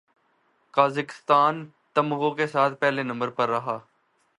Kazakhstan تمغوں کے ساتھ پہلے نمبر پر رہا